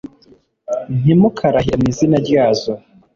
ntimukarahire mu izina ryazo